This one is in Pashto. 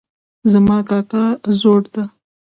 زما کاکا زوړ ده